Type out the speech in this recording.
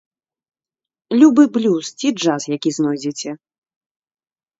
Любы блюз ці джаз, які знойдзеце!